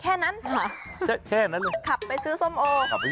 แค่นั้นขับไปซื้อส้มโอ